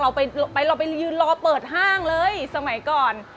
เราไปเราไปยืนรอเปิดห้างเลยสมัยก่อน